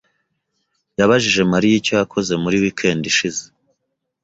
Yabajije Mariya icyo yakoze muri weekend ishize.